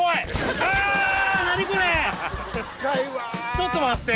ちょっと待って。